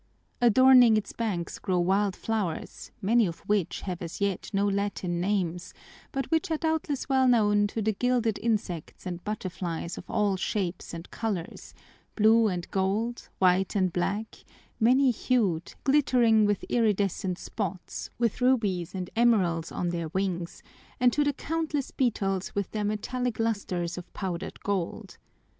Adorning its banks grow wild flowers, many of which have as yet no Latin names, but which are doubtless well known to the gilded insects and butterflies of all shapes and colors, blue and gold, white and black, many hued, glittering with iridescent spots, with rubies and emeralds on their wings, and to the countless beetles with their metallic lusters of powdered gold.